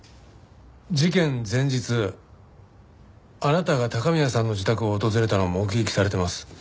事件前日あなたが高宮さんの自宅を訪れたのを目撃されています。